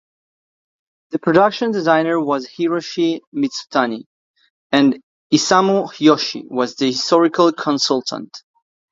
The production designer was Hiroshi Mizutani and Isamu Yoshi was the historical consultant.